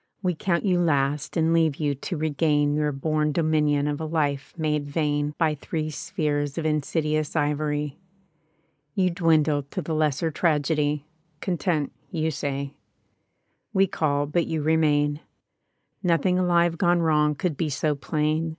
We count you last and leave you to regain Your bom dominion of a life made vain By three spheres of insidious ivory. You dwindle to the lesser tragedy — Content, you say. We call, but you remain. Nothing alive gone wrong could be so plain.